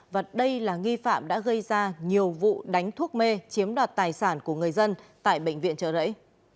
và đây là nghi phạm đã gây ra nhiều vụ đánh thuốc mê chiếm đoạt tài sản của người dân tại bệnh viện trợ rẫy